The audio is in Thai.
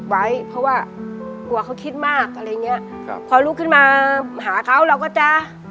ไว้เพราะว่ากลัวเขาคิดมากอะไรอย่างเงี้ยครับพอลุกขึ้นมาหาเขาเราก็จะ